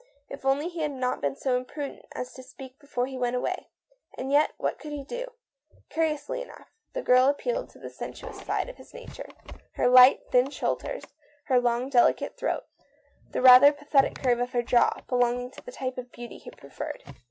If only he had not been so imprudent as to speak before he went away. And yet what could he do? Curi ously enough, the girl appealed to the sensual side of his nature. Her slight, thin shoul ders, her long, delicate throat, the rather pathetic curve of her jaw, belonged to the type of beauty he preferred.